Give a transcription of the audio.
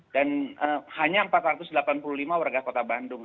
hanya empat ratus delapan puluh lima warga kota bandung